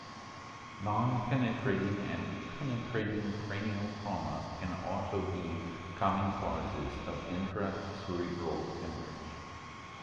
Nonpenetrating and penetrating cranial trauma can also be common causes of intracerebral hemorrhage.